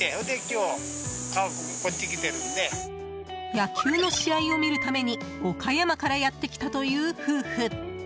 野球の試合を見るために岡山からやってきたという夫婦。